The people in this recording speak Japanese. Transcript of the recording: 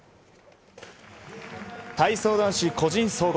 体操男子個人総合。